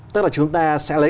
tức là chúng ta sẽ lấy